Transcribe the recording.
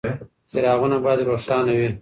څراغونه باید روښانه وي.